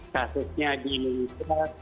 statusnya di indonesia